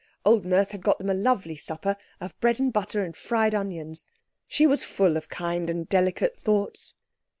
Old Nurse had got them a lovely supper of bread and butter and fried onions. She was full of kind and delicate thoughts.